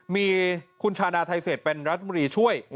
มีคุณชาดาไทเศษเป็นรัฐมนตรีช่วย